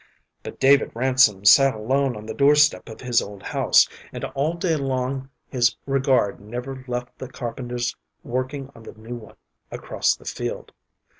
But David Ransom sat alone on the doorstep of his old house, and all day long his regard never left the carpenters working on the new one across the field.